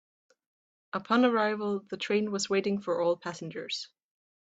Upon arrival, the train was waiting for all passengers.